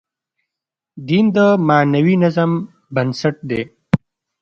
دین د معنوي نظم بنسټ دی.